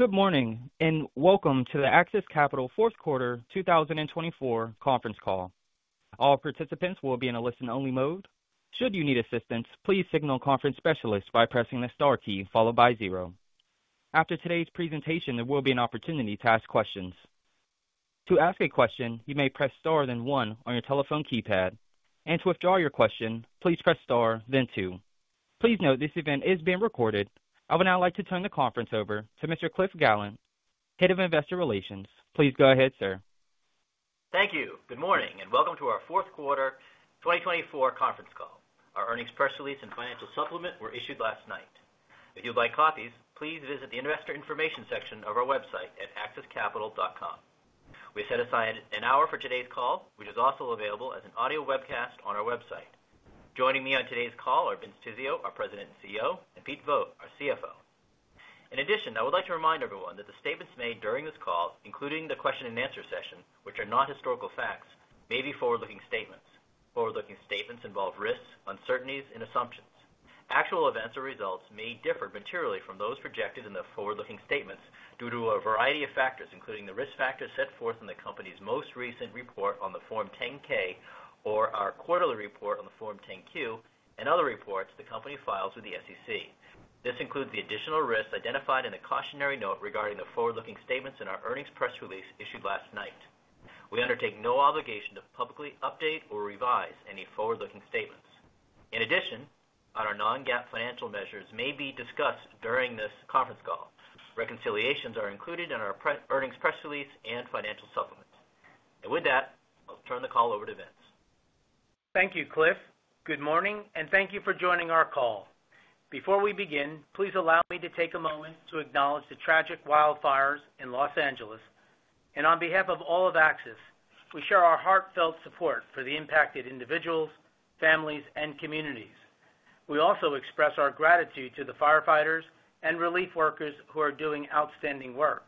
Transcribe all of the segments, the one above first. Good morning and welcome to the AXIS Capital Fourth Quarter 2024 Conference Call. All participants will be in a listen-only mode. Should you need assistance, please signal conference specialist by pressing the star key followed by zero. After today's presentation, there will be an opportunity to ask questions. To ask a question, you may press star then one on your telephone keypad, and to withdraw your question, please press star then two. Please note this event is being recorded. I would now like to turn the conference over to Mr. Cliff Gallant, Head of Investor Relations. Please go ahead, sir. Thank you. Good morning and welcome to our fourth quarter 2024 conference call. Our earnings press release and financial supplement were issued last night. If you'd like copies, please visit the investor information section of our website at axiscapital.com. We have set aside an hour for today's call, which is also available as an audio webcast on our website. Joining me on today's call are Vince Tizzio, our President and CEO, and Pete Vogt, our CFO. In addition, I would like to remind everyone that the statements made during this call, including the question and answer session, which are not historical facts, may be forward-looking statements. Forward-looking statements involve risks, uncertainties, and assumptions. Actual events or results may differ materially from those projected in the forward-looking statements due to a variety of factors, including the risk factors set forth in the company's most recent report on the Form 10-K or our quarterly report on the Form 10-Q and other reports the company files with the SEC. This includes the additional risks identified in the cautionary note regarding the forward-looking statements in our earnings press release issued last night. We undertake no obligation to publicly update or revise any forward-looking statements. In addition, our non-GAAP financial measures may be discussed during this conference call. Reconciliations are included in our earnings press release and financial supplement. And with that, I'll turn the call over to Vince. Thank you, Cliff. Good morning and thank you for joining our call. Before we begin, please allow me to take a moment to acknowledge the tragic wildfires in Los Angeles. On behalf of all of AXIS, we share our heartfelt support for the impacted individuals, families, and communities. We also express our gratitude to the firefighters and relief workers who are doing outstanding work.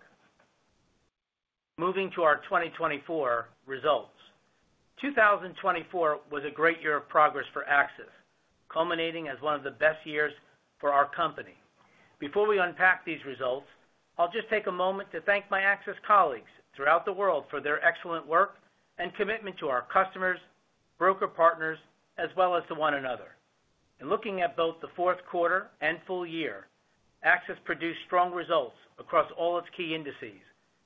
Moving to our 2024 results. 2024 was a great year of progress for AXIS, culminating as one of the best years for our company. Before we unpack these results, I'll just take a moment to thank my AXIS colleagues throughout the world for their excellent work and commitment to our customers, broker partners, as well as to one another. In looking at both the fourth quarter and full year, AXIS produced strong results across all its key indices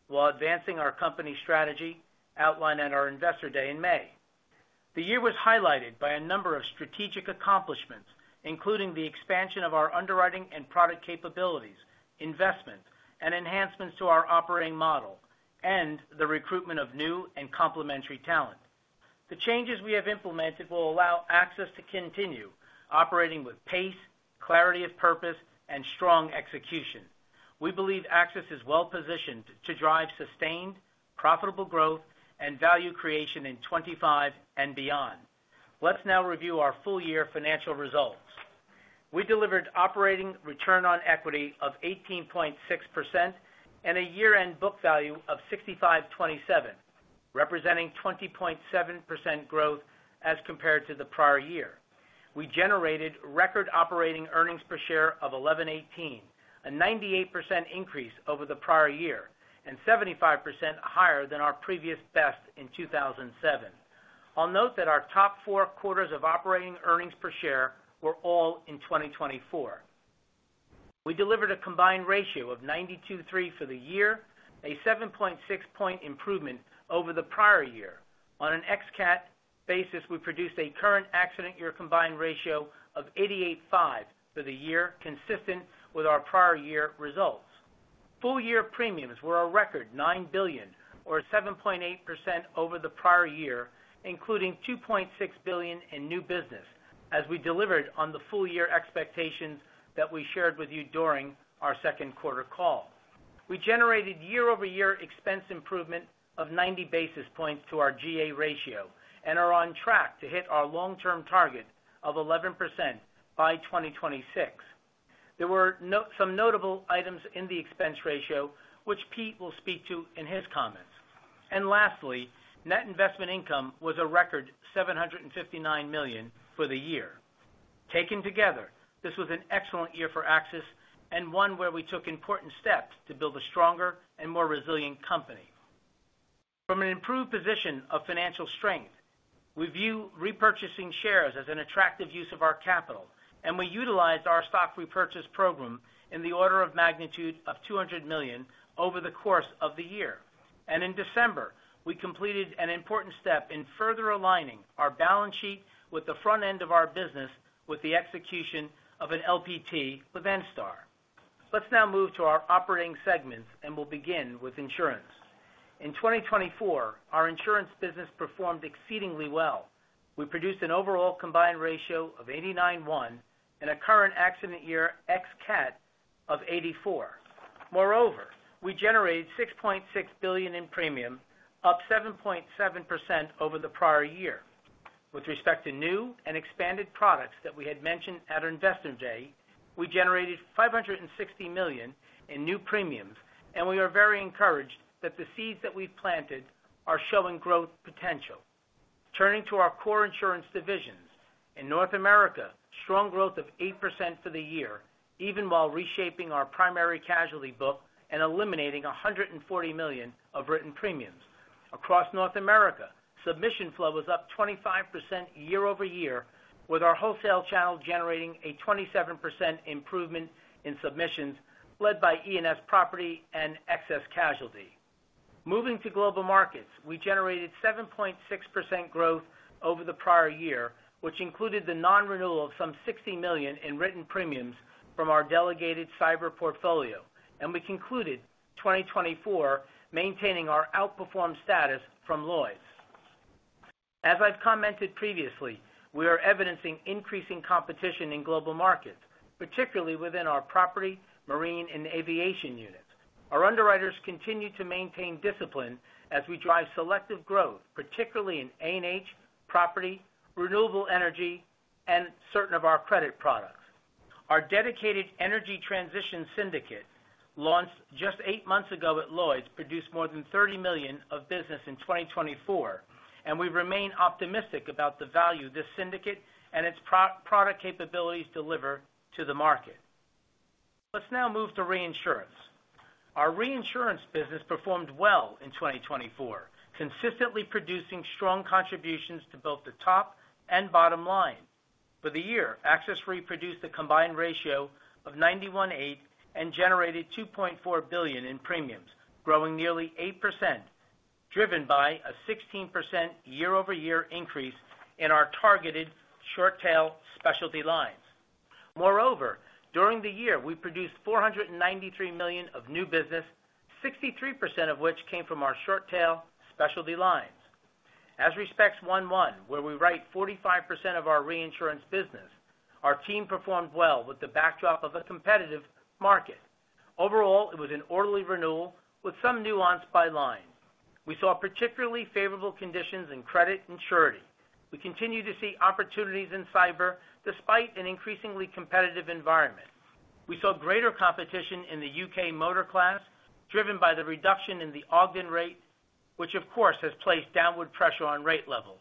while advancing our company strategy, outlined at our investor day in May. The year was highlighted by a number of strategic accomplishments, including the expansion of our underwriting and product capabilities, investment, and enhancements to our operating model, and the recruitment of new and complementary talent. The changes we have implemented will allow AXIS to continue operating with pace, clarity of purpose, and strong execution. We believe AXIS is well positioned to drive sustained, profitable growth and value creation in 2025 and beyond. Let's now review our full-year financial results. We delivered operating return on equity of 18.6% and a year-end book value of $65.27, representing 20.7% growth as compared to the prior year. We generated record operating earnings per share of $11.18, a 98% increase over the prior year and 75% higher than our previous best in 2007. I'll note that our top four quarters of operating earnings per share were all in 2024. We delivered a combined ratio of 92.3 for the year, a 7.6-point improvement over the prior year. On an ex-cat basis, we produced a current accident-year combined ratio of 88.5 for the year, consistent with our prior-year results. Full-year premiums were a record $9 billion, or 7.8% over the prior year, including $2.6 billion in new business, as we delivered on the full-year expectations that we shared with you during our second quarter call. We generated year-over-year expense improvement of 90 basis points to our GA ratio and are on track to hit our long-term target of 11% by 2026. There were some notable items in the expense ratio, which Pete will speak to in his comments. And lastly, net investment income was a record $759 million for the year. Taken together, this was an excellent year for AXIS and one where we took important steps to build a stronger and more resilient company. From an improved position of financial strength, we view repurchasing shares as an attractive use of our capital, and we utilized our stock repurchase program in the order of magnitude of $200 million over the course of the year. And in December, we completed an important step in further aligning our balance sheet with the front end of our business with the execution of an LPT with Enstar. Let's now move to our operating segments, and we'll begin with insurance. In 2024, our insurance business performed exceedingly well. We produced an overall combined ratio of 89.1 and a current accident-year ex-cat of 84. Moreover, we generated $6.6 billion in premium, up 7.7% over the prior year. With respect to new and expanded products that we had mentioned at our investor day, we generated $560 million in new premiums, and we are very encouraged that the seeds that we've planted are showing growth potential. Turning to our core insurance divisions, in North America, strong growth of 8% for the year, even while reshaping our primary casualty book and eliminating $140 million of written premiums. Across North America, submission flow was up 25% year-over-year, with our wholesale channel generating a 27% improvement in submissions led by E&S Property and Excess Casualty. Moving to global markets, we generated 7.6% growth over the prior year, which included the non-renewal of some $60 million in written premiums from our delegated cyber portfolio. We concluded 2024 maintaining our outperform status from Lloyd's. As I've commented previously, we are evidencing increasing competition in global markets, particularly within our property, marine, and aviation units. Our underwriters continue to maintain discipline as we drive selective growth, particularly in A&H, property, renewable energy, and certain of our credit products. Our dedicated energy transition syndicate, launched just eight months ago at Lloyd's, produced more than $30 million of business in 2024, and we remain optimistic about the value this syndicate and its product capabilities deliver to the market. Let's now move to reinsurance. Our reinsurance business performed well in 2024, consistently producing strong contributions to both the top and bottom line. For the year, AXIS produced a combined ratio of 91.8 and generated $2.4 billion in premiums, growing nearly 8%, driven by a 16% year-over-year increase in our targeted short-tail specialty lines. Moreover, during the year, we produced $493 million of new business, 63% of which came from our short-tail specialty lines. As respects 1-1, where we write 45% of our reinsurance business, our team performed well with the backdrop of a competitive market. Overall, it was an orderly renewal with some nuance by line. We saw particularly favorable conditions in credit and surety. We continue to see opportunities in cyber despite an increasingly competitive environment. We saw greater competition in the U.K. motor class, driven by the reduction in the Ogden rate, which, of course, has placed downward pressure on rate levels.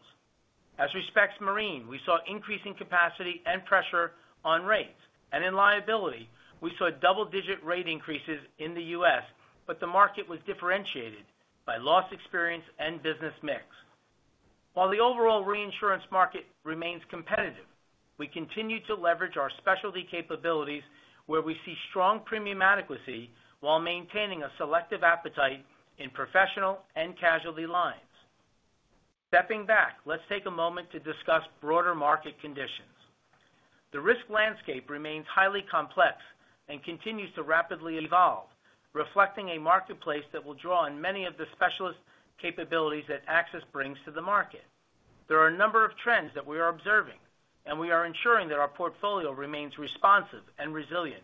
As respects marine, we saw increasing capacity and pressure on rates. In liability, we saw double-digit rate increases in the U.S., but the market was differentiated by loss experience and business mix. While the overall reinsurance market remains competitive, we continue to leverage our specialty capabilities, where we see strong premium adequacy while maintaining a selective appetite in professional and casualty lines. Stepping back, let's take a moment to discuss broader market conditions. The risk landscape remains highly complex and continues to rapidly evolve, reflecting a marketplace that will draw on many of the specialist capabilities that AXIS brings to the market. There are a number of trends that we are observing, and we are ensuring that our portfolio remains responsive and resilient.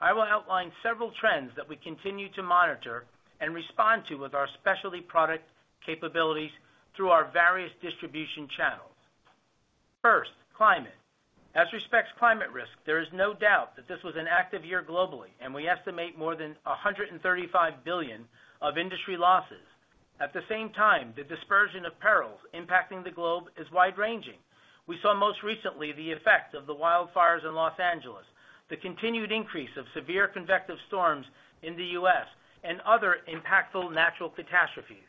I will outline several trends that we continue to monitor and respond to with our specialty product capabilities through our various distribution channels. First, climate. As respects climate risk, there is no doubt that this was an active year globally, and we estimate more than $135 billion of industry losses. At the same time, the dispersion of perils impacting the globe is wide-ranging. We saw most recently the effect of the wildfires in Los Angeles, the continued increase of severe convective storms in the U.S., and other impactful natural catastrophes.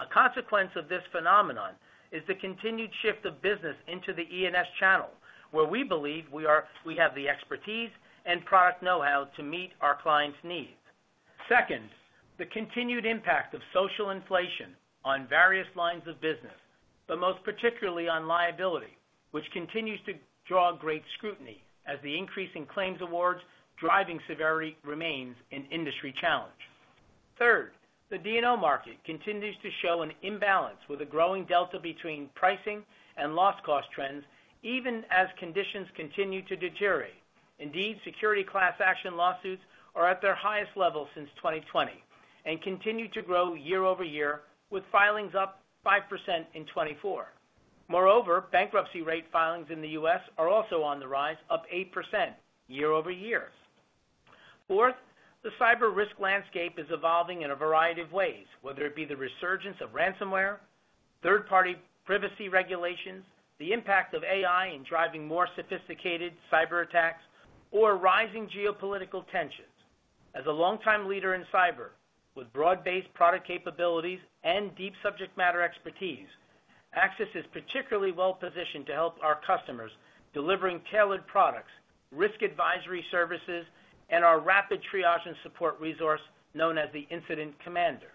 A consequence of this phenomenon is the continued shift of business into the E&S channel, where we believe we have the expertise and product know-how to meet our clients' needs. Second, the continued impact of social inflation on various lines of business, but most particularly on liability, which continues to draw great scrutiny as the increase in claims awards driving severity remains an industry challenge. Third, the D&O market continues to show an imbalance with a growing delta between pricing and loss cost trends, even as conditions continue to deteriorate. Indeed, security class action lawsuits are at their highest level since 2020 and continue to grow year-over-year, with filings up 5% in 2024. Moreover, bankruptcy rate filings in the U.S. are also on the rise, up 8% year-over-year. Fourth, the cyber risk landscape is evolving in a variety of ways, whether it be the resurgence of ransomware, third-party privacy regulations, the impact of AI in driving more sophisticated cyber attacks, or rising geopolitical tensions. As a longtime leader in cyber, with broad-based product capabilities and deep subject matter expertise, AXIS is particularly well positioned to help our customers delivering tailored products, risk advisory services, and our rapid triage and support resource known as the Incident Commander.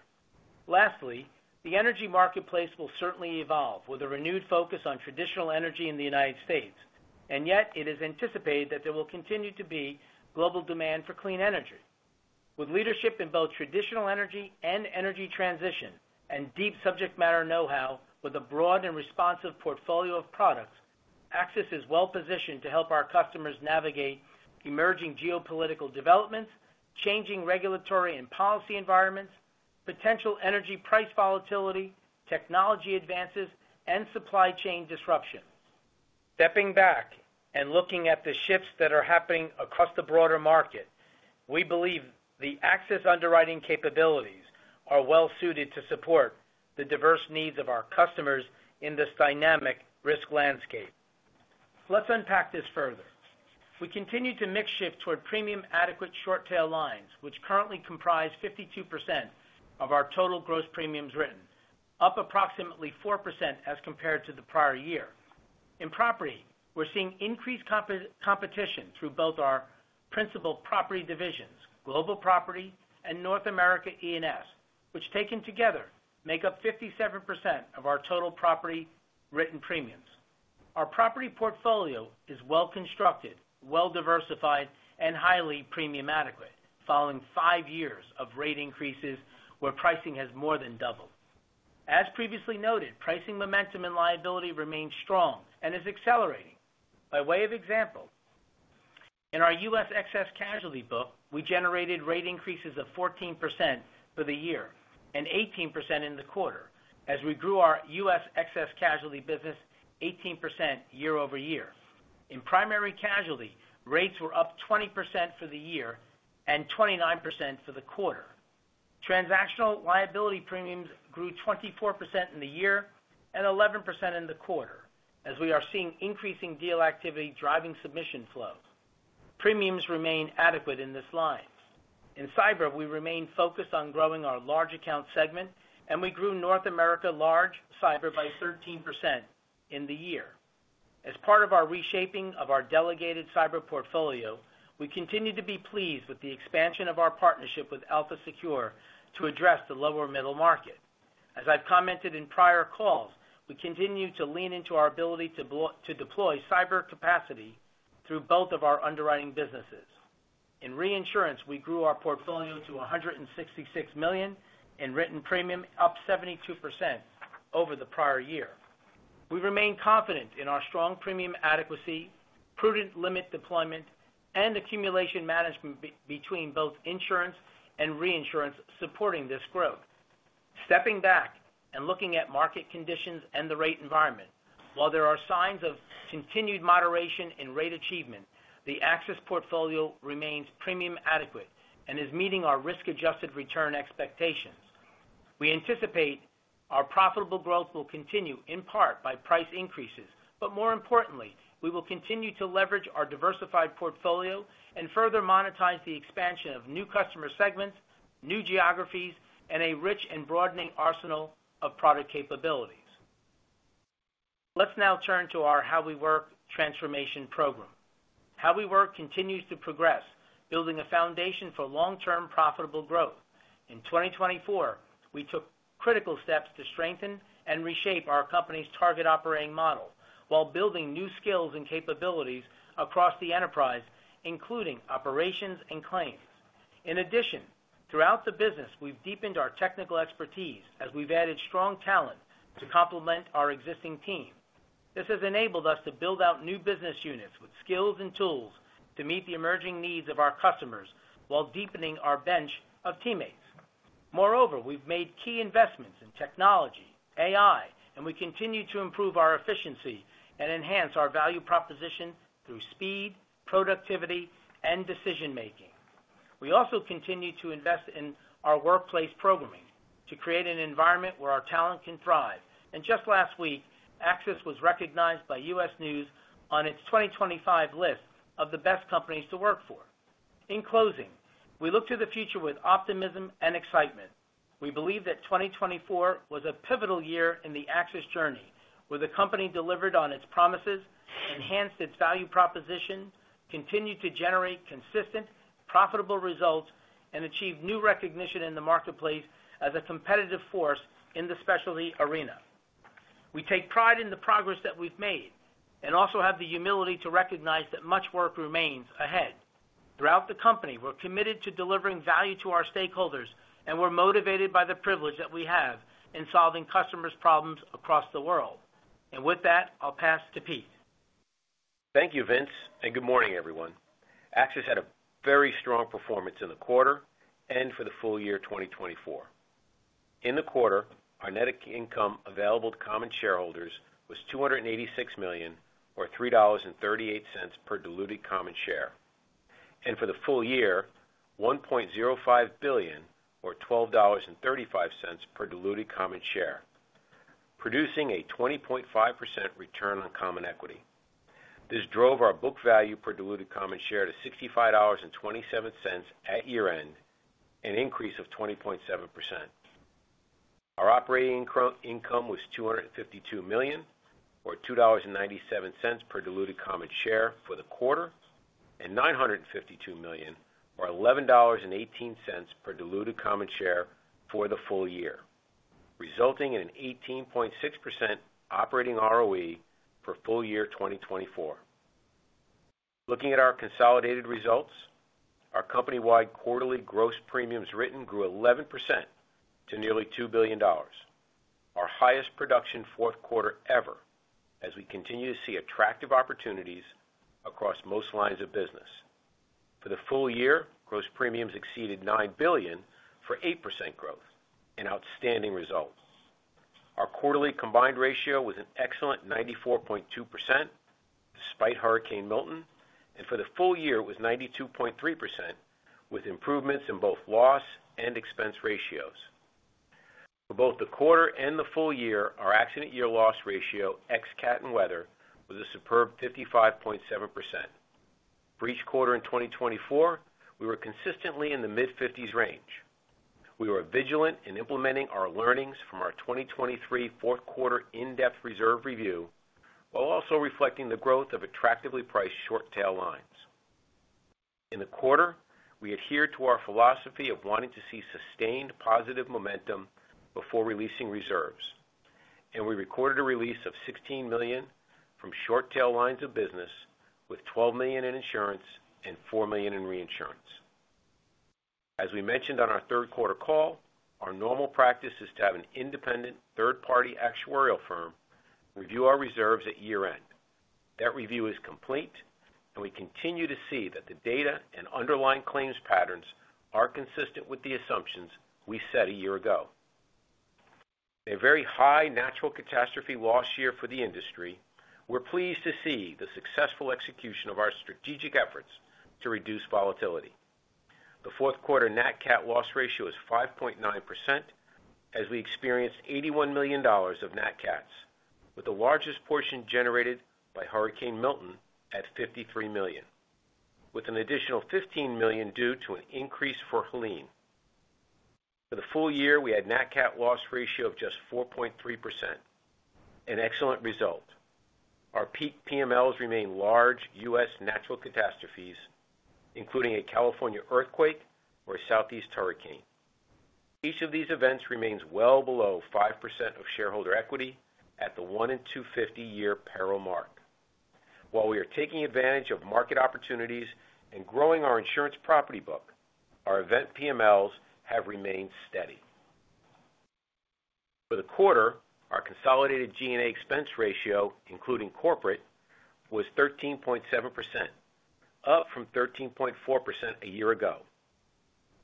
Lastly, the energy marketplace will certainly evolve with a renewed focus on traditional energy in the United States, and yet, it is anticipated that there will continue to be global demand for clean energy. With leadership in both traditional energy and energy transition, and deep subject matter know-how with a broad and responsive portfolio of products, AXIS is well positioned to help our customers navigate emerging geopolitical developments, changing regulatory and policy environments, potential energy price volatility, technology advances, and supply chain disruption. Stepping back and looking at the shifts that are happening across the broader market, we believe the AXIS underwriting capabilities are well suited to support the diverse needs of our customers in this dynamic risk landscape. Let's unpack this further. We continue to mix shift toward premium adequate short-tail lines, which currently comprise 52% of our total gross premiums written, up approximately 4% as compared to the prior year. In property, we're seeing increased competition through both our principal property divisions, Global Property and North America E&S, which taken together make up 57% of our total property written premiums. Our property portfolio is well constructed, well diversified, and highly premium adequate, following five years of rate increases where pricing has more than doubled. As previously noted, pricing momentum and liability remain strong and is accelerating. By way of example, in our U.S. Excess Casualty book, we generated rate increases of 14% for the year and 18% in the quarter as we grew our U.S. Excess Casualty business 18% year-over-year. In primary casualty, rates were up 20% for the year and 29% for the quarter. Transactional liability premiums grew 24% in the year and 11% in the quarter as we are seeing increasing deal activity driving submission flow. Premiums remain adequate in this line. In cyber, we remain focused on growing our large account segment, and we grew North America large cyber by 13% in the year. As part of our reshaping of our delegated cyber portfolio, we continue to be pleased with the expansion of our partnership with Elpha Secure to address the lower middle market. As I've commented in prior calls, we continue to lean into our ability to deploy cyber capacity through both of our underwriting businesses. In reinsurance, we grew our portfolio to $166 million in written premium, up 72% over the prior year. We remain confident in our strong premium adequacy, prudent limit deployment, and accumulation management between both insurance and reinsurance supporting this growth. Stepping back and looking at market conditions and the rate environment, while there are signs of continued moderation in rate achievement, the AXIS portfolio remains premium adequate and is meeting our risk-adjusted return expectations. We anticipate our profitable growth will continue in part by price increases, but more importantly, we will continue to leverage our diversified portfolio and further monetize the expansion of new customer segments, new geographies, and a rich and broadening arsenal of product capabilities. Let's now turn to our How We Work transformation program. How We Work continues to progress, building a foundation for long-term profitable growth. In 2024, we took critical steps to strengthen and reshape our company's target operating model while building new skills and capabilities across the enterprise, including operations and claims. In addition, throughout the business, we've deepened our technical expertise as we've added strong talent to complement our existing team. This has enabled us to build out new business units with skills and tools to meet the emerging needs of our customers while deepening our bench of teammates. Moreover, we've made key investments in technology, AI, and we continue to improve our efficiency and enhance our value proposition through speed, productivity, and decision-making. We also continue to invest in our workplace programming to create an environment where our talent can thrive. And just last week, AXIS was recognized by U.S. News & World Report on its 2025 list of the best companies to work for. In closing, we look to the future with optimism and excitement. We believe that 2024 was a pivotal year in the AXIS journey, where the company delivered on its promises, enhanced its value proposition, continued to generate consistent, profitable results, and achieved new recognition in the marketplace as a competitive force in the specialty arena. We take pride in the progress that we've made and also have the humility to recognize that much work remains ahead. Throughout the company, we're committed to delivering value to our stakeholders and we're motivated by the privilege that we have in solving customers' problems across the world. And with that, I'll pass to Pete. Thank you, Vince, and good morning, everyone. AXIS had a very strong performance in the quarter and for the full year 2024. In the quarter, our net income available to common shareholders was $286 million, or $3.38 per diluted common share, and for the full year, $1.05 billion, or $12.35 per diluted common share, producing a 20.5% return on common equity. This drove our book value per diluted common share to $65.27 at year-end, an increase of 20.7%. Our operating income was $252 million, or $2.97 per diluted common share for the quarter, and $952 million, or $11.18 per diluted common share for the full year, resulting in an 18.6% operating ROE for full year 2024. Looking at our consolidated results, our company-wide quarterly gross premiums written grew 11% to nearly $2 billion, our highest production fourth quarter ever, as we continue to see attractive opportunities across most lines of business. For the full year, gross premiums exceeded $9 billion for 8% growth, an outstanding result. Our quarterly combined ratio was an excellent 94.2% despite Hurricane Milton, and for the full year, it was 92.3%, with improvements in both loss and expense ratios. For both the quarter and the full year, our accident year loss ratio, ex-cat and weather, was a superb 55.7%. For each quarter in 2024, we were consistently in the mid-50s range. We were vigilant in implementing our learnings from our 2023 fourth quarter in-depth reserve review while also reflecting the growth of attractively priced short-tail lines. In the quarter, we adhered to our philosophy of wanting to see sustained positive momentum before releasing reserves, and we recorded a release of $16 million from short-tail lines of business, with $12 million in insurance and $4 million in reinsurance. As we mentioned on our third quarter call, our normal practice is to have an independent third-party actuarial firm review our reserves at year-end. That review is complete, and we continue to see that the data and underlying claims patterns are consistent with the assumptions we set a year ago. In a very high natural catastrophe loss year for the industry, we're pleased to see the successful execution of our strategic efforts to reduce volatility. The fourth quarter nat-cat loss ratio is 5.9%, as we experienced $81 million of nat-cats, with the largest portion generated by Hurricane Milton at $53 million, with an additional $15 million due to an increase for Helene. For the full year, we had a nat-cat loss ratio of just 4.3%, an excellent result. Our peak PMLs remain large U.S. natural catastrophes, including a California earthquake or a southeast hurricane. Each of these events remains well below 5% of shareholder equity at the 1-in-250-year peril mark. While we are taking advantage of market opportunities and growing our insurance property book, our event PMLs have remained steady. For the quarter, our consolidated G&A expense ratio, including corporate, was 13.7%, up from 13.4% a year ago.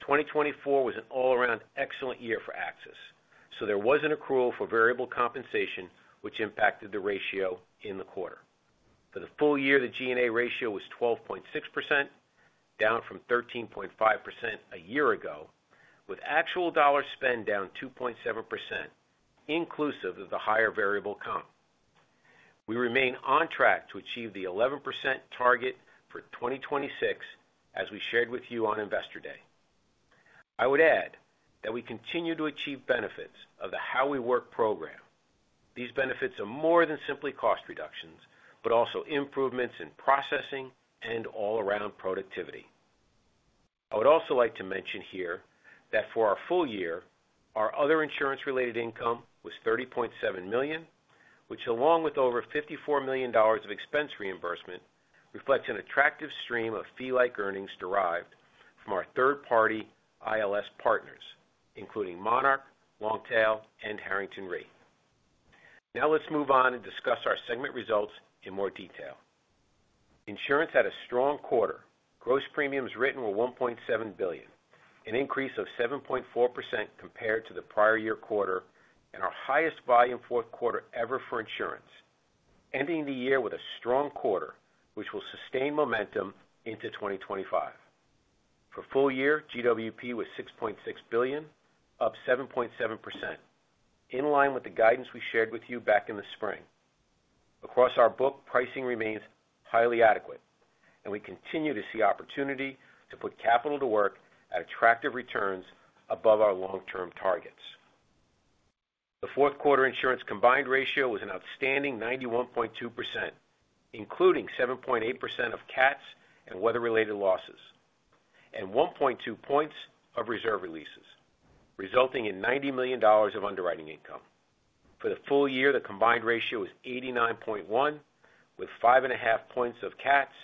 2024 was an all-around excellent year for AXIS, so there was an accrual for variable compensation, which impacted the ratio in the quarter. For the full year, the G&A ratio was 12.6%, down from 13.5% a year ago, with actual dollar spend down 2.7%, inclusive of the higher variable comp. We remain on track to achieve the 11% target for 2026, as we shared with you on Investor Day. I would add that we continue to achieve benefits of the How We Work program. These benefits are more than simply cost reductions, but also improvements in processing and all-around productivity. I would also like to mention here that for our full year, our other insurance-related income was $30.7 million, which, along with over $54 million of expense reimbursement, reflects an attractive stream of fee-like earnings derived from our third-party ILS partners, including Monarch, long-tail, and Harrington Re. Now let's move on and discuss our segment results in more detail. Insurance had a strong quarter. Gross premiums written were $1.7 billion, an increase of 7.4% compared to the prior year quarter, and our highest volume fourth quarter ever for insurance, ending the year with a strong quarter, which will sustain momentum into 2025. For full year, GWP was $6.6 billion, up 7.7%, in line with the guidance we shared with you back in the spring. Across our book, pricing remains highly adequate, and we continue to see opportunity to put capital to work at attractive returns above our long-term targets. The fourth quarter insurance combined ratio was an outstanding 91.2%, including 7.8% of cats and weather-related losses, and 1.2 points of reserve releases, resulting in $90 million of underwriting income. For the full year, the combined ratio was 89.1%, with 5.5 points of cats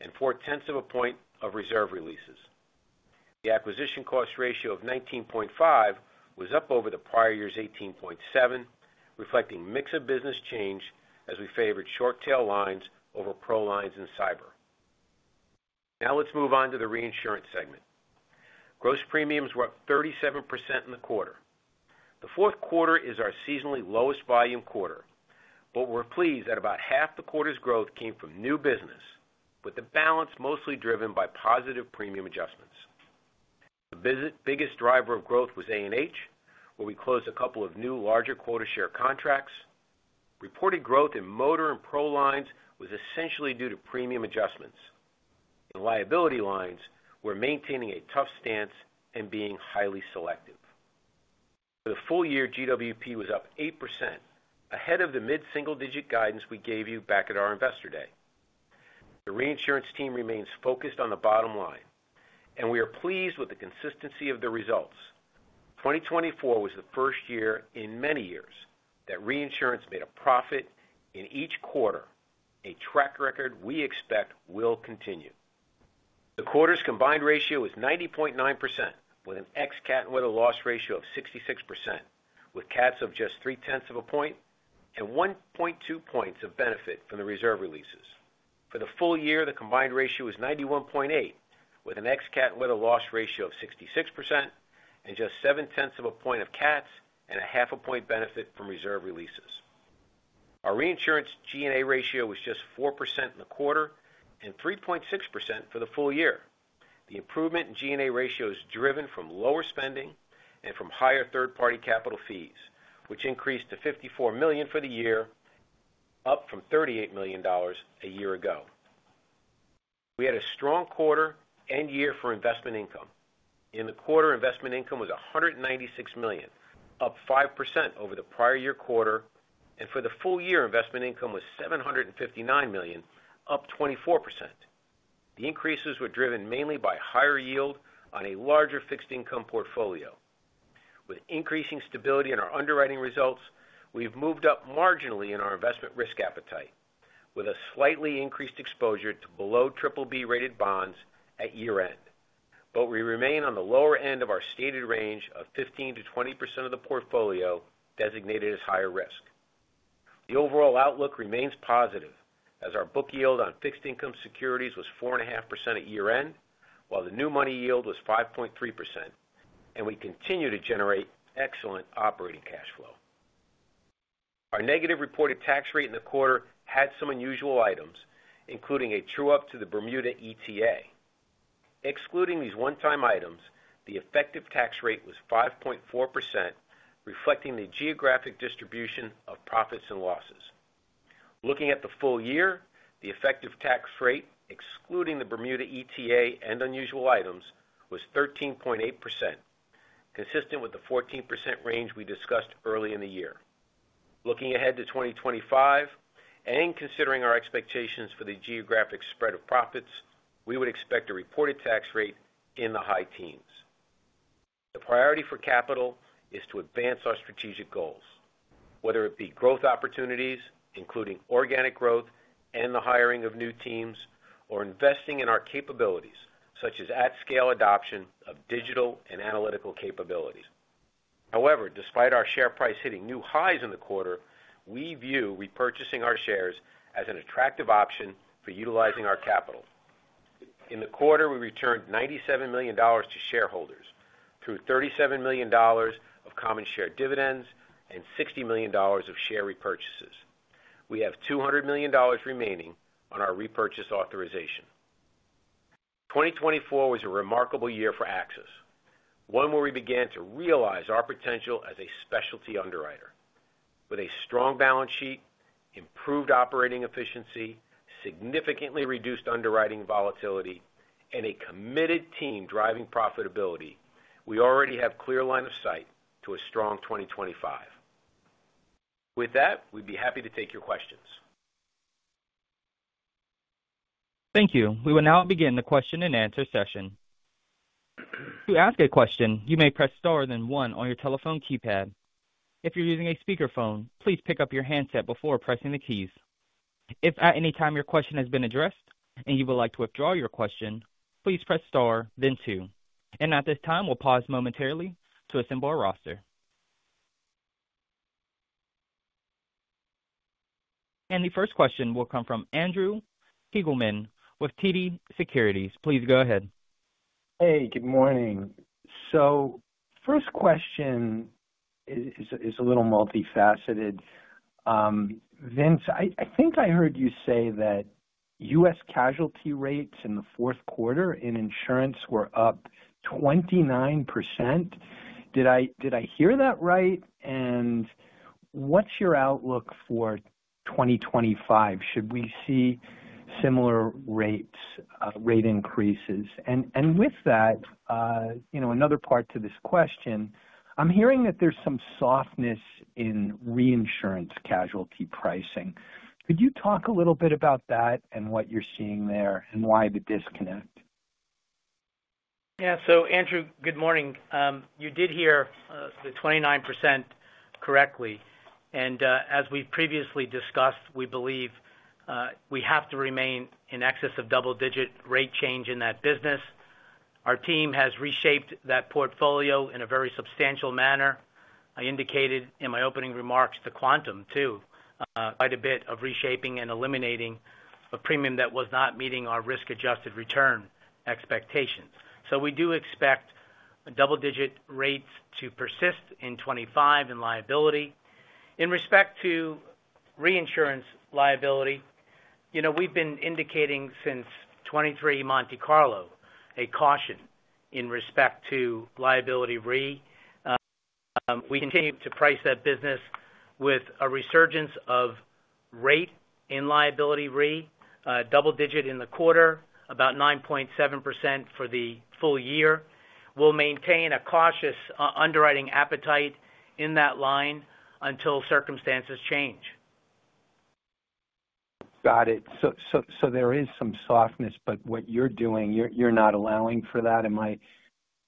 and 0.4 points of reserve releases. The acquisition cost ratio of 19.5% was up over the prior year's 18.7%, reflecting mix of business change as we favored short-tail lines over pro lines in cyber. Now let's move on to the reinsurance segment. Gross premiums were up 37% in the quarter. The fourth quarter is our seasonally lowest volume quarter, but we're pleased that about half the quarter's growth came from new business, with the balance mostly driven by positive premium adjustments. The biggest driver of growth was A&H, where we closed a couple of new larger quota-share contracts. Reported growth in motor and pro lines was essentially due to premium adjustments. In liability lines, we're maintaining a tough stance and being highly selective. For the full year, GWP was up 8%, ahead of the mid-single-digit guidance we gave you back at our Investor Day. The reinsurance team remains focused on the bottom line, and we are pleased with the consistency of the results. 2024 was the first year in many years that reinsurance made a profit in each quarter, a track record we expect will continue. The quarter's combined ratio was 90.9%, with an ex-cat and weather loss ratio of 66%, with cats of just 0.3 points and 1.2 points of benefit from the reserve releases. For the full year, the combined ratio was 91.8%, with an ex-cat and weather loss ratio of 66%, and just 0.7 points of cats and 0.5 points benefit from reserve releases. Our reinsurance G&A ratio was just 4% in the quarter and 3.6% for the full year. The improvement in G&A ratio is driven from lower spending and from higher third-party capital fees, which increased to $54 million for the year, up from $38 million a year ago. We had a strong quarter and year for investment income. In the quarter, investment income was $196 million, up 5% over the prior year quarter, and for the full year, investment income was $759 million, up 24%. The increases were driven mainly by higher yield on a larger fixed income portfolio. With increasing stability in our underwriting results, we've moved up marginally in our investment risk appetite, with a slightly increased exposure to below BBB-rated bonds at year-end, but we remain on the lower end of our stated range of 15%-20% of the portfolio designated as higher risk. The overall outlook remains positive, as our book yield on fixed income securities was 4.5% at year-end, while the new money yield was 5.3%, and we continue to generate excellent operating cash flow. Our negative reported tax rate in the quarter had some unusual items, including a true-up to the Bermuda ETA. Excluding these one-time items, the effective tax rate was 5.4%, reflecting the geographic distribution of profits and losses. Looking at the full year, the effective tax rate, excluding the Bermuda ETA and unusual items, was 13.8%, consistent with the 14% range we discussed early in the year. Looking ahead to 2025 and considering our expectations for the geographic spread of profits, we would expect a reported tax rate in the high teens. The priority for capital is to advance our strategic goals, whether it be growth opportunities, including organic growth and the hiring of new teams, or investing in our capabilities, such as at-scale adoption of digital and analytical capabilities. However, despite our share price hitting new highs in the quarter, we view repurchasing our shares as an attractive option for utilizing our capital. In the quarter, we returned $97 million to shareholders through $37 million of common share dividends and $60 million of share repurchases. We have $200 million remaining on our repurchase authorization. 2024 was a remarkable year for AXIS, one where we began to realize our potential as a specialty underwriter. With a strong balance sheet, improved operating efficiency, significantly reduced underwriting volatility, and a committed team driving profitability, we already have a clear line of sight to a strong 2025. With that, we'd be happy to take your questions. Thank you. We will now begin the question-and-answer session. To ask a question, you may press star then one on your telephone keypad. If you're using a speakerphone, please pick up your handset before pressing the keys. If at any time your question has been addressed and you would like to withdraw your question, please press star, then two. And at this time, we'll pause momentarily to assemble our roster. And the first question will come from Andrew Kligerman with TD Securities. Please go ahead. Hey, good morning. So the first question is a little multifaceted. Vince, I think I heard you say that U.S. casualty rates in the fourth quarter in insurance were up 29%. Did I hear that right? And what's your outlook for 2025? Should we see similar rate increases? And with that, another part to this question. I'm hearing that there's some softness in reinsurance casualty pricing. Could you talk a little bit about that and what you're seeing there and why the disconnect? Yeah. So, Andrew, good morning. You did hear the 29% correctly. And as we've previously discussed, we believe we have to remain in excess of double-digit rate change in that business. Our team has reshaped that portfolio in a very substantial manner. I indicated in my opening remarks to Quantum, too, quite a bit of reshaping and eliminating a premium that was not meeting our risk-adjusted return expectations. So we do expect double-digit rates to persist in 2025 in liability. In respect to reinsurance liability, we've been indicating since 2023 Monte Carlo a caution in respect to liability re. We continue to price that business with a resurgence of rate in liability re, double-digit in the quarter, about 9.7% for the full year. We'll maintain a cautious underwriting appetite in that line until circumstances change. Got it. So there is some softness, but what you're doing, you're not allowing for that. Am I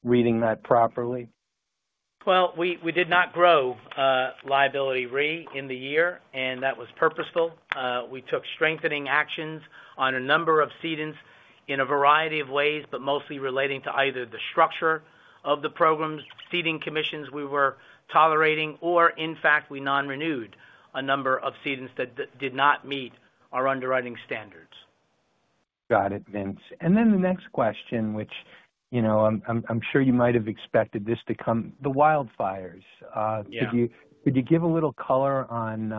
reading that properly? Well, we did not grow liability re in the year, and that was purposeful. We took strengthening actions on a number of cedants in a variety of ways, but mostly relating to either the structure of the programs, cedant commissions we were tolerating, or in fact, we non-renewed a number of cedants that did not meet our underwriting standards. Got it, Vince. And then the next question, which I'm sure you might have expected this to come, the wildfires. Could you give a little color on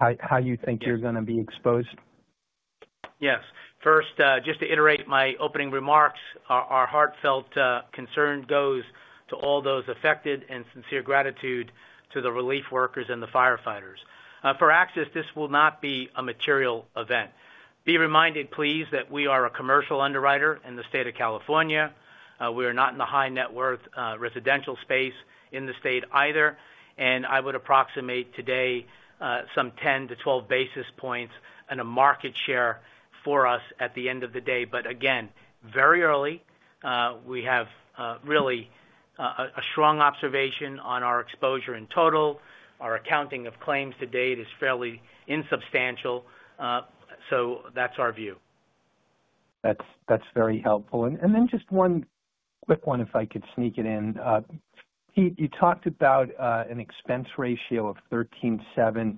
how you think you're going to be exposed? Yes. First, just to iterate my opening remarks, our heartfelt concern goes to all those affected and sincere gratitude to the relief workers and the firefighters. For AXIS, this will not be a material event. Be reminded, please, that we are a commercial underwriter in the state of California. We are not in the high-net-worth residential space in the state either. And I would approximate today some 10 to 12 basis points and a market share for us at the end of the day. But again, very early, we have really a strong observation on our exposure in total. Our accounting of claims to date is fairly insubstantial. So that's our view. That's very helpful. And then just one quick one, if I could sneak it in. Pete, you talked about an expense ratio of 13.7%.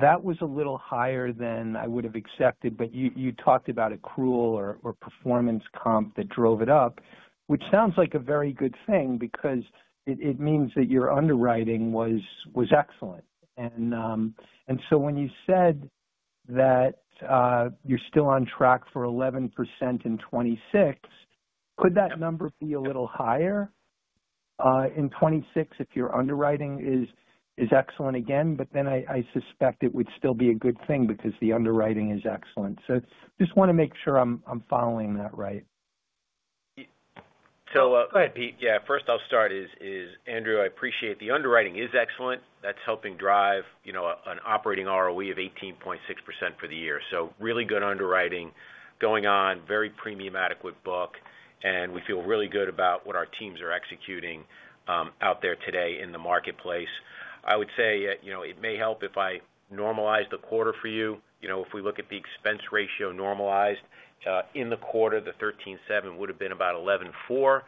That was a little higher than I would have expected, but you talked about an accrual for performance comp that drove it up, which sounds like a very good thing because it means that your underwriting was excellent. And so when you said that you're still on track for 11% in 2026, could that number be a little higher? In 2026, if your underwriting is excellent again, but then I suspect it would still be a good thing because the underwriting is excellent. Just want to make sure I'm following that right. Go ahead, Pete. Yeah. First, I'll start, Andrew. I appreciate the underwriting is excellent. That's helping drive an operating ROE of 18.6% for the year. So really good underwriting going on, very premium adequate book, and we feel really good about what our teams are executing out there today in the marketplace. I would say it may help if I normalize the quarter for you. If we look at the expense ratio normalized in the quarter, the 13.7 would have been about 11.4.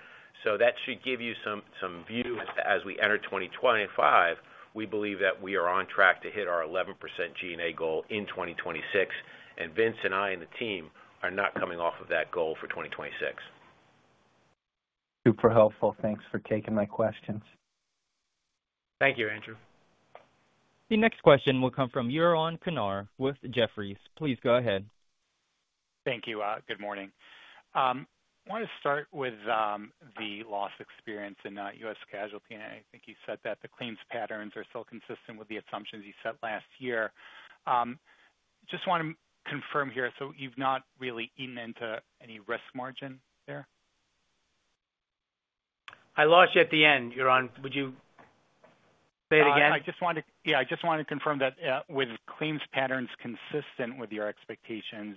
So that should give you some view as we enter 2025. We believe that we are on track to hit our 11% G&A goal in 2026. And Vince and I and the team are not coming off of that goal for 2026. Super helpful. Thanks for taking my questions. Thank you, Andrew. The next question will come from Yaron Kinar with Jefferies. Please go ahead. Thank you. Good morning. I want to start with the loss experience in U.S. casualty. I think you said that the claims patterns are still consistent with the assumptions you set last year. Just want to confirm here. So you've not really eaten into any risk margin there? I lost you at the end. Yaron, would you say it again? I just wanted to confirm that with claims patterns consistent with your expectations,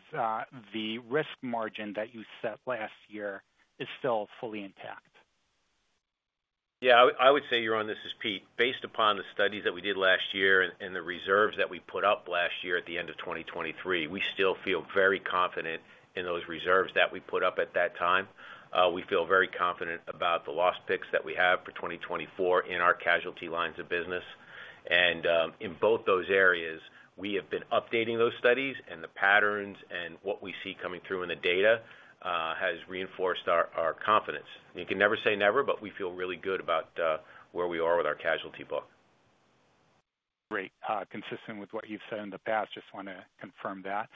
the risk margin that you set last year is still fully intact. Yeah. I would say, Yaron, this is Pete. Based upon the studies that we did last year and the reserves that we put up last year at the end of 2023, we still feel very confident in those reserves that we put up at that time. We feel very confident about the loss picks that we have for 2024 in our casualty lines of business. In both those areas, we have been updating those studies, and the patterns and what we see coming through in the data has reinforced our confidence. You can never say never, but we feel really good about where we are with our casualty book. Great. Consistent with what you've said in the past, just want to confirm that.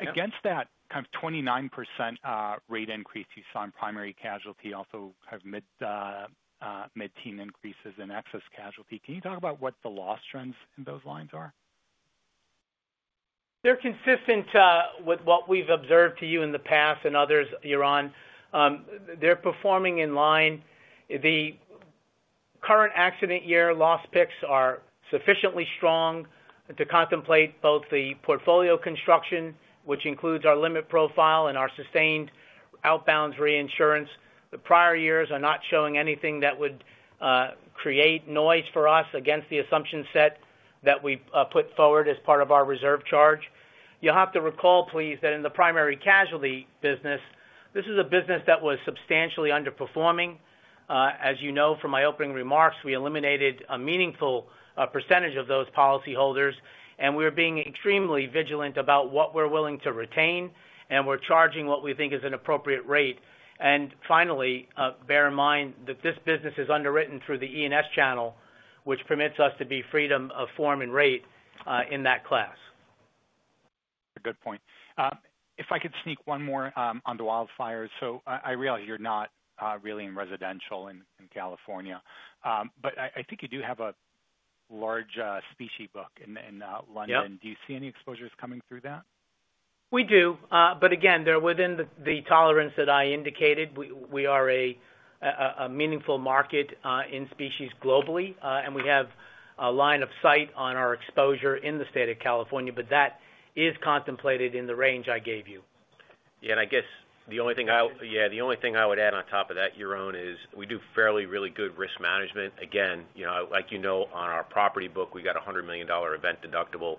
Against that kind of 29% rate increase you saw in primary casualty, also kind of mid-teens increases in excess casualty, can you talk about what the loss trends in those lines are? They're consistent with what we've disclosed to you in the past and others, Yaron. They're performing in line. The current accident year loss picks are sufficiently strong to contemplate both the portfolio construction, which includes our limit profile and our sustained outwards reinsurance. The prior years are not showing anything that would create noise for us against the assumption set that we put forward as part of our reserve charge. You'll have to recall, please, that in the primary casualty business, this is a business that was substantially underperforming. As you know from my opening remarks, we eliminated a meaningful percentage of those policyholders, and we are being extremely vigilant about what we're willing to retain, and we're charging what we think is an appropriate rate. Finally, bear in mind that this business is underwritten through the E&S channel, which permits us to have freedom of form and rate in that class. Good point. If I could sneak one more on the wildfires. I realize you're not really in residential in California, but I think you do have a large specie book in London. Do you see any exposures coming through that? We do. But again, they're within the tolerance that I indicated. We are a meaningful market in specie globally, and we have a line of sight on our exposure in the state of California, but that is contemplated in the range I gave you. Yeah. And I guess the only thing I would add on top of that, Yaron, is we do really good risk management. Again, like you know, on our property book, we got a $100 million event deductible.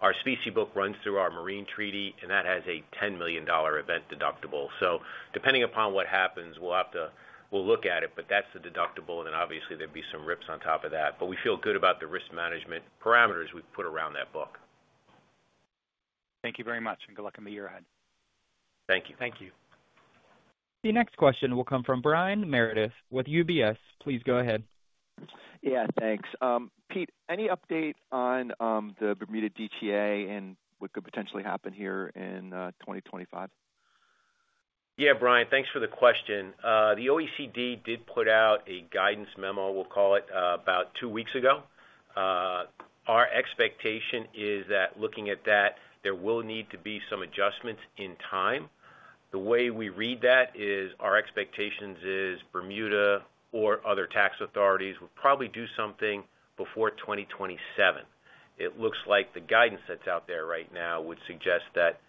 Our specie book runs through our marine treaty, and that has a $10 million event deductible. So depending upon what happens, we'll look at it, but that's the deductible. And then obviously, there'd be some reins on top of that. But we feel good about the risk management parameters we've put around that book. Thank you very much, and good luck in the year ahead. Thank you. Thank you. The next question will come from Brian Meredith with UBS. Please go ahead. Yeah. Thanks. Pete, any update on the Bermuda ETA and what could potentially happen here in 2025? Yeah, Brian, thanks for the question. The OECD did put out a guidance memo, we'll call it, about two weeks ago. Our expectation is that looking at that, there will need to be some adjustments in time. The way we read that is our expectations is Bermuda or other tax authorities would probably do something before 2027. It looks like the guidance that's out there right now would suggest that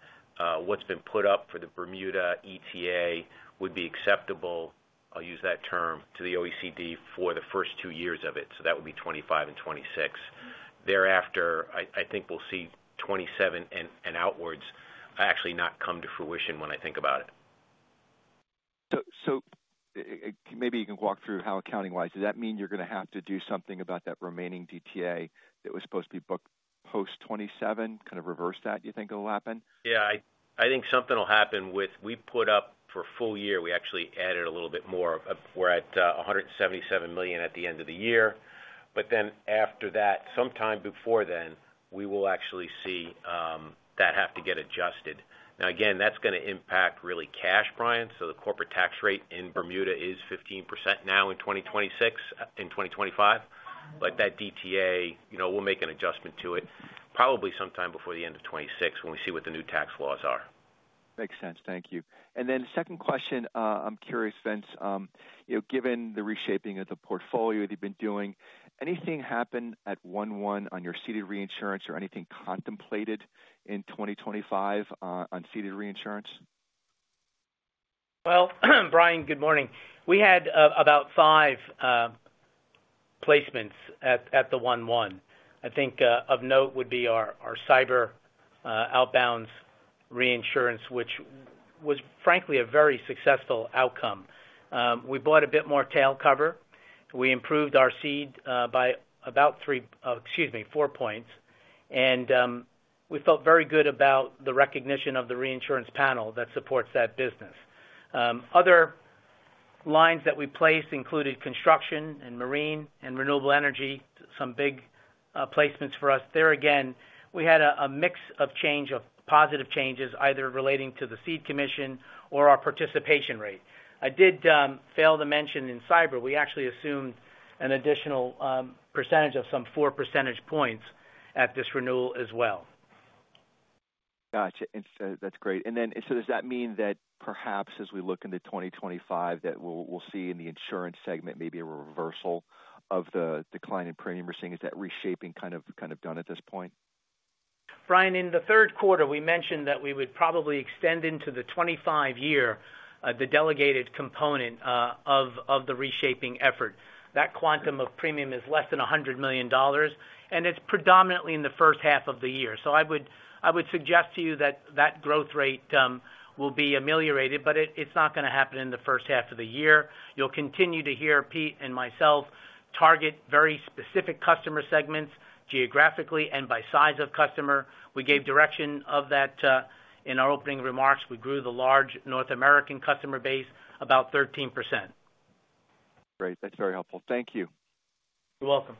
what's been put up for the Bermuda ETA would be acceptable, I'll use that term, to the OECD for the first two years of it. So that would be 2025 and 2026. Thereafter, I think we'll see 2027 and outwards actually not come to fruition when I think about it. So maybe you can walk through how accounting-wise, does that mean you're going to have to do something about that remaining ETA that was supposed to be booked post 2027, kind of reverse that, do you think it'll happen? Yeah. I think something will happen with we put up for full year, we actually added a little bit more. We're at $177 million at the end of the year. But then after that, sometime before then, we will actually see that have to get adjusted. Now, again, that's going to impact really cash, Brian. So the corporate tax rate in Bermuda is 15% now in 2026, in 2025. But that ETA, we'll make an adjustment to it probably sometime before the end of 2026 when we see what the new tax laws are. Makes sense. Thank you. And then second question, I'm curious, Vince, given the reshaping of the portfolio that you've been doing, anything happen at 1-1 on your CD reinsurance or anything contemplated in 2025 on CD reinsurance? Well, Brian, good morning. We had about five placements at the 1-1. I think of note would be our cyber outbounds reinsurance, which was frankly a very successful outcome. We bought a bit more tail cover. We improved our cede by about three, excuse me, four points. And we felt very good about the recognition of the reinsurance panel that supports that business. Other lines that we placed included construction and marine and renewable energy, some big placements for us. There again, we had a mix of change of positive changes, either relating to the ceding commission or our participation rate. I did fail to mention in cyber, we actually assumed an additional percentage of some four percentage points at this renewal as well. Gotcha. That's great. And then so does that mean that perhaps as we look into 2025 that we'll see in the insurance segment maybe a reversal of the decline in premium we're seeing? Is that reshaping kind of done at this point? Brian, in the third quarter, we mentioned that we would probably extend into the 25-year the delegated component of the reshaping effort. That quantum of premium is less than $100 million, and it's predominantly in the first half of the year. So I would suggest to you that that growth rate will be ameliorated, but it's not going to happen in the first half of the year. You'll continue to hear Pete and myself target very specific customer segments geographically and by size of customer. We gave direction of that in our opening remarks. We grew the large North American customer base about 13%. Great. That's very helpful. Thank you. You're welcome.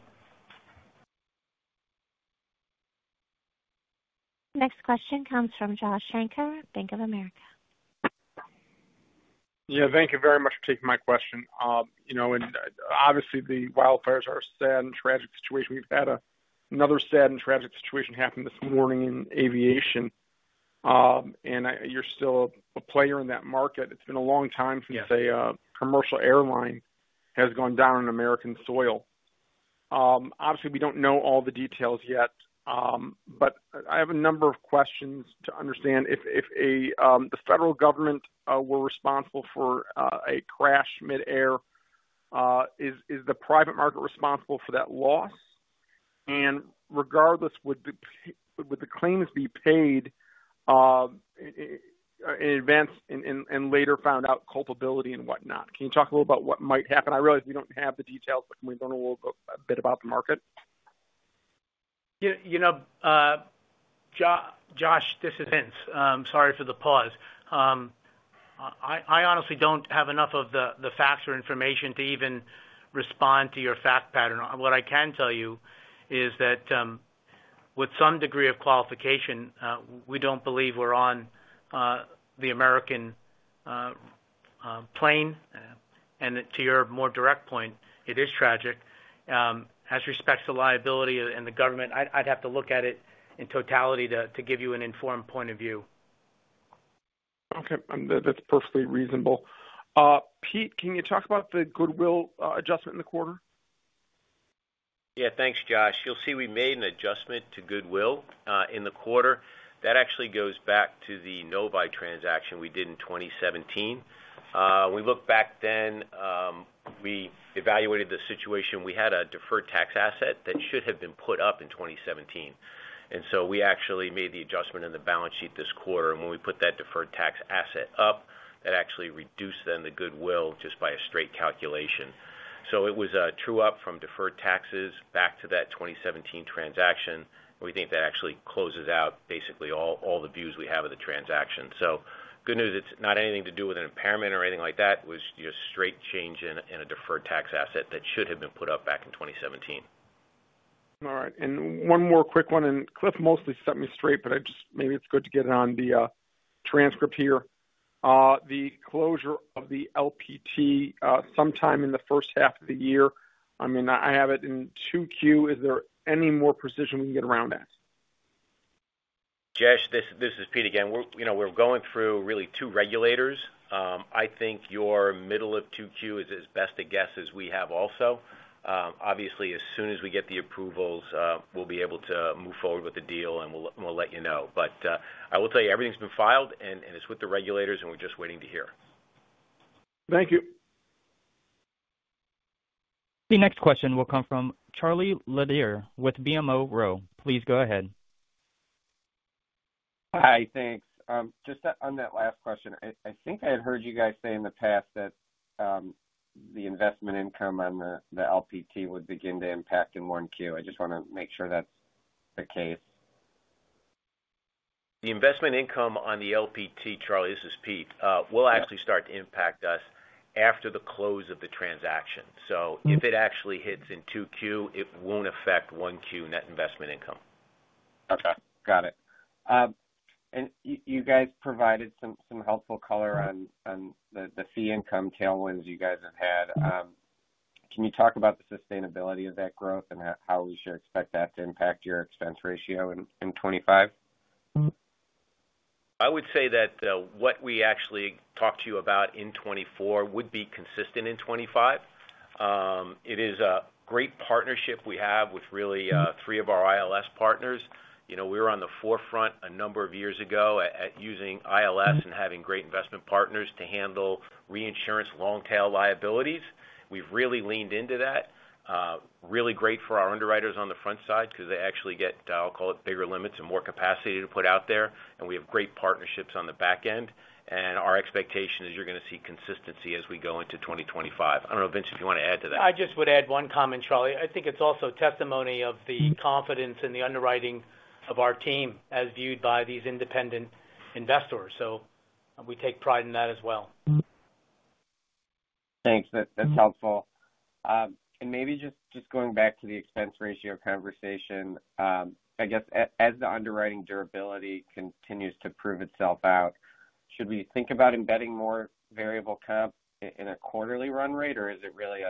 Next question comes from Josh Shanker, Bank of America. Yeah. Thank you very much for taking my question. Obviously, the wildfires are a sad and tragic situation. We've had another sad and tragic situation happen this morning in aviation. And you're still a player in that market. It's been a long time since a commercial airline has gone down on American soil. Obviously, we don't know all the details yet, but I have a number of questions to understand. If the federal government were responsible for a crash midair, is the private market responsible for that loss? And regardless, would the claims be paid in advance and later found out culpability and whatnot? Can you talk a little about what might happen? I realize we don't have the details, but we know a little bit about the market. Josh, this is Vince. Sorry for the pause. I honestly don't have enough of the facts or information to even respond to your fact pattern. What I can tell you is that with some degree of qualification, we don't believe we're on the American plane. And to your more direct point, it is tragic. As respects to liability and the government, I'd have to look at it in totality to give you an informed point of view. Okay. That's perfectly reasonable. Pete, can you talk about the goodwill adjustment in the quarter? Yeah. Thanks, Josh. You'll see we made an adjustment to goodwill in the quarter. That actually goes back to the Novae transaction we did in 2017. We looked back then, we evaluated the situation. We had a deferred tax asset that should have been put up in 2017, and so we actually made the adjustment in the balance sheet this quarter. And when we put that deferred tax asset up, that actually reduced then the Goodwill just by a straight calculation. So it was a true-up from deferred taxes back to that 2017 transaction. We think that actually closes out basically all the views we have of the transaction. So good news, it's not anything to do with an impairment or anything like that. It was just straight change in a deferred tax asset that should have been put up back in 2017. All right. And one more quick one. And Cliff mostly set me straight, but maybe it's good to get it on the transcript here. The closure of the LPT sometime in the first half of the year, I mean, I have it in 2Q. Is there any more precision we can get around that? Josh, this is Pete again. We're going through really two regulators. I think your middle of 2Q is as best a guess as we have also. Obviously, as soon as we get the approvals, we'll be able to move forward with the deal, and we'll let you know. But I will tell you, everything's been filed, and it's with the regulators, and we're just waiting to hear. Thank you. The next question will come from Charlie Lederer with BMO. Please go ahead. Hi. Thanks. Just on that last question, I think I had heard you guys say in the past that the investment income on the LPT would begin to impact in 1Q. I just want to make sure that's the case. The investment income on the LPT, Charlie, this is Pete, will actually start to impact us after the close of the transaction. So if it actually hits in 2Q, it won't affect 1Q net investment income. Okay. Got it. And you guys provided some helpful color on the fee income tailwinds you guys have had. Can you talk about the sustainability of that growth and how we should expect that to impact your expense ratio in 2025? I would say that what we actually talked to you about in 2024 would be consistent in 2025. It is a great partnership we have with really three of our ILS partners. We were on the forefront a number of years ago at using ILS and having great investment partners to handle reinsurance long-tail liabilities. We've really leaned into that. Really great for our underwriters on the front side because they actually get, I'll call it, bigger limits and more capacity to put out there. And we have great partnerships on the back end. And our expectation is you're going to see consistency as we go into 2025. I don't know, Vince, if you want to add to that. I just would add one comment, Charlie. I think it's also testimony of the confidence in the underwriting of our team as viewed by these independent investors. So we take pride in that as well. Thanks. That's helpful. And maybe just going back to the expense ratio conversation, I guess as the underwriting durability continues to prove itself out, should we think about embedding more variable comp in a quarterly run rate, or is it really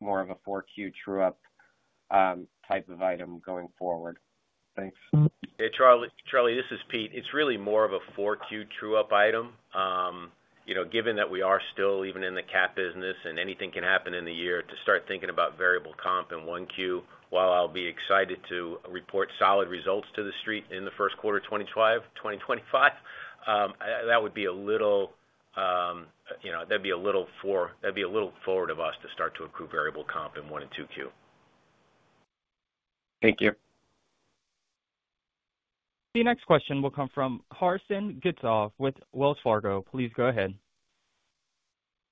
more of a 4Q true-up type of item going forward? Thanks. Hey, Charlie. Charlie, this is Pete. It's really more of a 4Q true-up item. Given that we are still even in the cat business and anything can happen in the year to start thinking about variable comp in 1Q, while I'll be excited to report solid results to the Street in the first quarter of 2025, that would be a little, that'd be a little forward of us to start to improve variable comp in 1Q and 2Q. Thank you. The next question will come from Christian Getzoff with Wells Fargo. Please go ahead.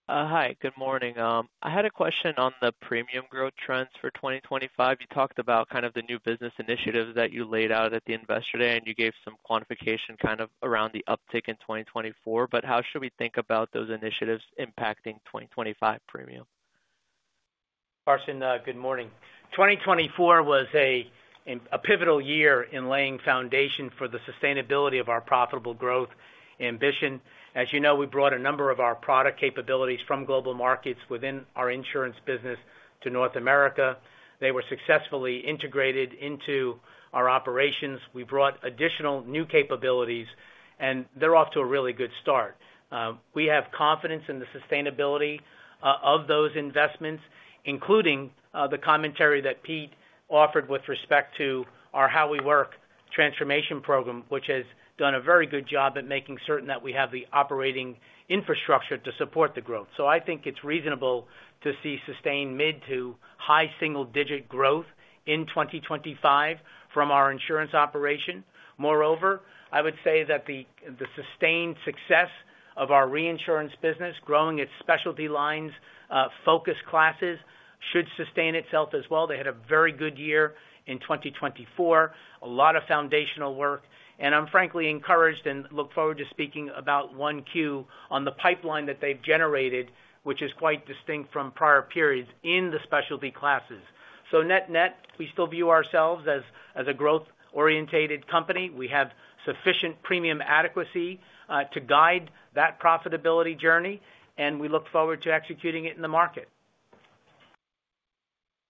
Hi. Good morning. I had a question on the premium growth trends for 2025. You talked about kind of the new business initiatives that you laid out at the investor day, and you gave some quantification kind of around the uptick in 2024. But how should we think about those initiatives impacting 2025 premium? Christian, good morning. 2024 was a pivotal year in laying foundation for the sustainability of our profitable growth ambition. As you know, we brought a number of our product capabilities from global markets within our insurance business to North America. They were successfully integrated into our operations. We brought additional new capabilities, and they're off to a really good start. We have confidence in the sustainability of those investments, including the commentary that Pete offered with respect to our How We Work transformation program, which has done a very good job at making certain that we have the operating infrastructure to support the growth, so I think it's reasonable to see sustained mid to high single-digit growth in 2025 from our insurance operation. Moreover, I would say that the sustained success of our reinsurance business, growing its specialty lines, focus classes should sustain itself as well. They had a very good year in 2024, a lot of foundational work, and I'm frankly encouraged and look forward to speaking about 1Q on the pipeline that they've generated, which is quite distinct from prior periods in the specialty classes, so net-net, we still view ourselves as a growth-oriented company. We have sufficient premium adequacy to guide that profitability journey, and we look forward to executing it in the market.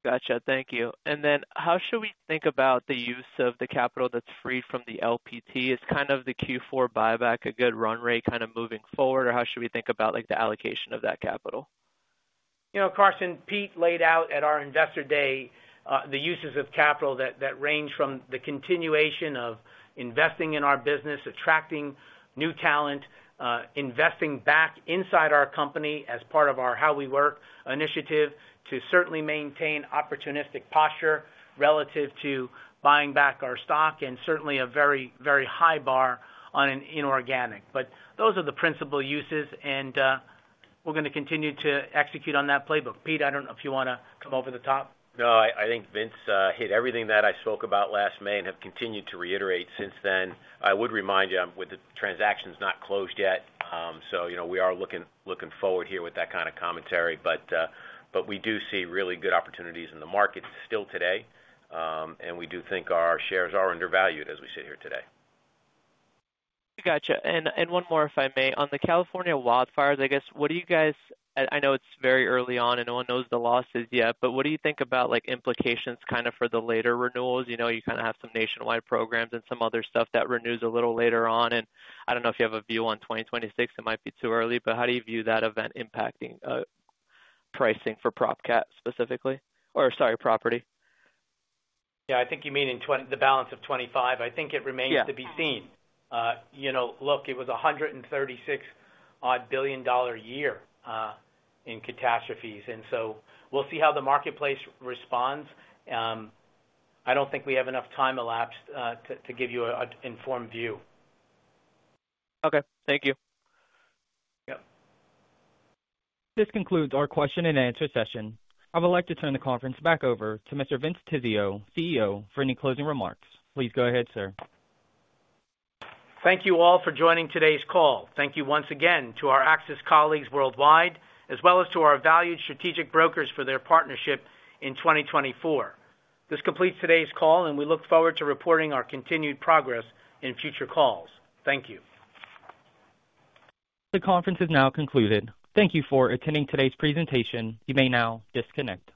Gotcha. Thank you. And then how should we think about the use of the capital that's freed from the LPT? Is kind of the Q4 buyback a good run rate kind of moving forward, or how should we think about the allocation of that capital? CFO Pete laid out at our investor day the uses of capital that range from the continuation of investing in our business, attracting new talent, investing back inside our company as part of our How We Work initiative to certainly maintain opportunistic posture relative to buying back our stock, and certainly a very, very high bar on an inorganic. But those are the principal uses, and we're going to continue to execute on that playbook. Pete, I don't know if you want to come over the top. No, I think Vince hit everything that I spoke about last May and have continued to reiterate since then. I would remind you, with the transactions not closed yet, so we are looking forward here with that kind of commentary. But we do see really good opportunities in the market still today, and we do think our shares are undervalued as we sit here today. Gotcha. And one more, if I may. On the California wildfires, I guess, what do you guys, I know it's very early on, and no one knows the losses yet, but what do you think about implications kind of for the later renewals? You kind of have some nationwide programs and some other stuff that renews a little later on. And I don't know if you have a view on 2026. It might be too early, but how do you view that event impacting pricing for prop cat specifically? Or sorry, property. Yeah. I think you mean in the balance of 2025. I think it remains to be seen. Look, it was a $136 billion year in catastrophes. And so we'll see how the marketplace responds. I don't think we have enough time elapsed to give you an informed view. Okay. Thank you. Yep. This concludes our question and answer session. I would like to turn the conference back over to Mr. Vince Tizzio, CEO, for any closing remarks. Please go ahead, sir. Thank you all for joining today's call. Thank you once again to our AXIS colleagues worldwide, as well as to our valued strategic brokers for their partnership in 2024. This completes today's call, and we look forward to reporting our continued progress in future calls. Thank you. The conference is now concluded. Thank you for attending today's presentation. You may now disconnect.